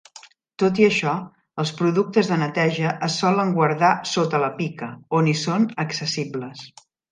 Tot i això, els productes de neteja es solen guardar sota la pica, on hi són accessibles.